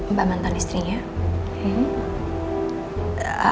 mbak mantan istrinya